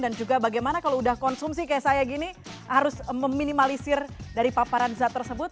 dan juga bagaimana kalau udah konsumsi kayak saya gini harus meminimalisir dari paparazat tersebut